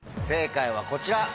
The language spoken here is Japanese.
正解はこちら。